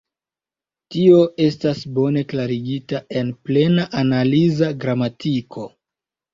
Tio estas bone klarigita en Plena Analiza Gramatiko.